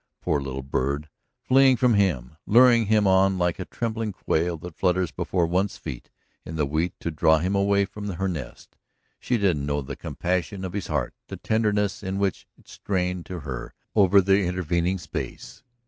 Poor little bird, fleeing from him, luring him on like a trembling quail that flutters before one's feet in the wheat to draw him away from her nest. She didn't know the compassion of his heart, the tenderness in which it strained to her over the intervening space.